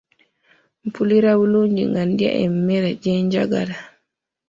Mpulira bulungi nga ndya emmere gye njagala.